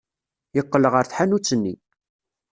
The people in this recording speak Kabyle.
Yeqqel ɣer tḥanut-nni.